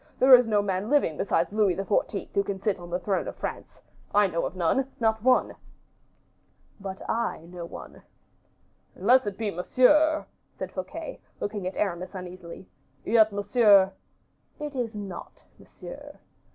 There is no man living besides Louis XIV. who can sit on the throne of France. I know of none, not one." "But I know one." "Unless it be Monsieur," said Fouquet, looking at Aramis uneasily; "yet Monsieur " "It is not Monsieur."